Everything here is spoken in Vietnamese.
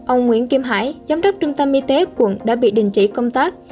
ông nguyễn kim hải giám đốc trung tâm y tế quận đã bị đình chỉ công tác